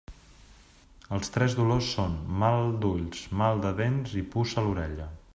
Els tres dolors són: mal d'ulls, mal de dents i puça a l'orella.